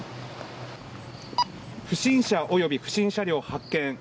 不審者及び、不審車両発見。